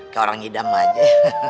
kayak orang idam aja